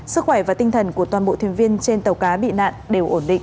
sức khỏe và tinh thần của toàn bộ thuyền viên trên tàu cá bị nạn đều ổn định